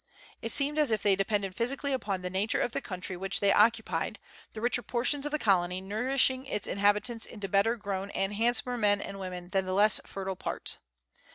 It seemed as if they depended physically upon the nature of the country which they occupied, the richer portions of the colony nourishing its inhabitants into better grown and handsomer men and women than the less fertile parts.